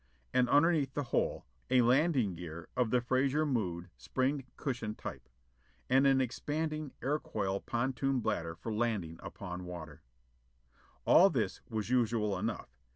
And underneath the whole, a landing gear of the Fraser Mood springed cushion type: and an expanding, air coil pontoon bladder for landing upon water. All this was usual enough.